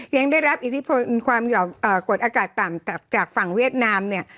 ยังได้รับอิทธิพลความกดอากาศต่ำจากฝั่งเวียดนามเนี่ย